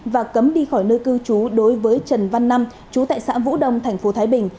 và cấm đi khỏi nơi cư chú đối với trần văn năm chú tại xã vũ đông thành phố thái bình